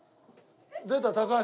出た高橋。